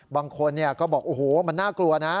บางคนก็บอกโอ้โหมันน่ากลัวนะ